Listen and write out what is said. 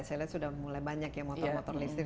saya lihat sudah mulai banyak ya motor motor listrik